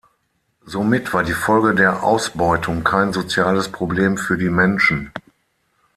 Somit war die Folge der Ausbeutung kein soziales Problem für die Menschen.